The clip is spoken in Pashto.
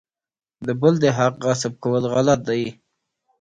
د بل د حق غصب کول غلط دي.